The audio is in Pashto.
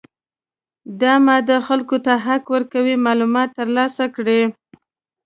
دا ماده خلکو ته حق ورکوي معلومات ترلاسه کړي.